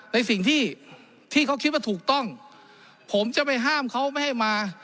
ในสิ่งที่ที่เขาคิดว่าถูกต้องผมจะไปห้ามเขาไม่ให้มา